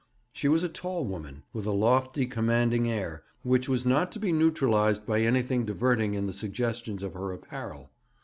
She was a tall woman, with a lofty, commanding air, which was not to be neutralized by anything diverting in the suggestions of her apparel.